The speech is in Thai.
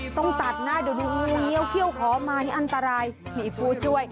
ต้องตัดหน้าเดี๋ยวดูงูเลี้ยวเขี้ยวขอมานี่อันตรายมีผู้ช่วย